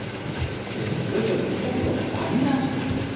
それぞれの速度の和になるんだよ。